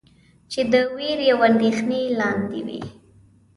چې د وېرې او اندېښنې لاندې وئ.